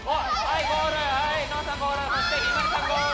はいゴール！